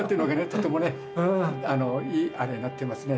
とてもねいいあれになってますね。